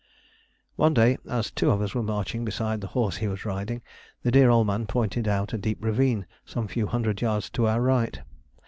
One day as two of us were marching beside the horse he was riding, the dear old man pointed out a deep ravine some few hundred yards to our right.